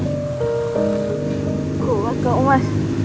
aku bakal umat